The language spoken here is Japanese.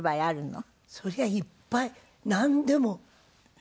そりゃいっぱいなんでもやりたい。